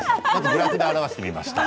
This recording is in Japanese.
グラフで表してみました。